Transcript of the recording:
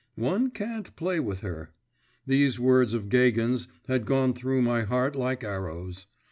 'One can't play with her.' These words of Gagin's had gone through my heart like arrows.